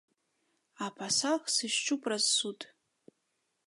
А пасаг сышчу праз суд!